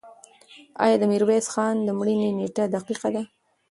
آیا د میرویس خان د مړینې نېټه دقیقه ده؟